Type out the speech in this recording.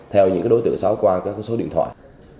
theo những đối tượng xấu qua các số điện thoại